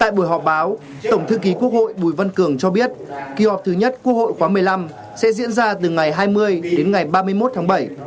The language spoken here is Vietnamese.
tại buổi họp báo tổng thư ký quốc hội bùi văn cường cho biết kỳ họp thứ nhất quốc hội khóa một mươi năm sẽ diễn ra từ ngày hai mươi đến ngày ba mươi một tháng bảy